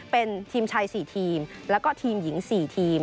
เป็นทีมชาย๔ทีมแล้วก็ทีมหญิง๔ทีม